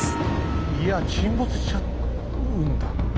いや沈没しちゃうんだ。